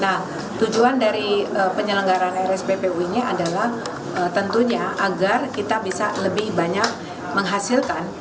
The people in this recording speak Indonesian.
nah tujuan dari penyelenggaran rsppu ini adalah tentunya agar kita bisa lebih banyak menghasilkan